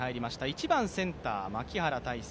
１番・センター・牧原大成。